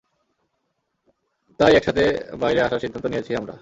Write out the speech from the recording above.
তাই একসাথে বাইরে আসার সিদ্ধান্ত নিয়েছি আমরা।